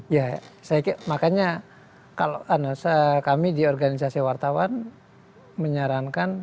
ya saya kira makanya kalau kami di organisasi wartawan menyarankan